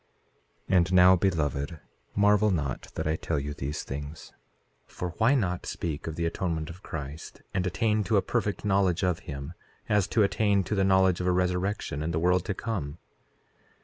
4:12 And now, beloved, marvel not that I tell you these things; for why not speak of the atonement of Christ, and attain to a perfect knowledge of him, as to attain to the knowledge of a resurrection and the world to come?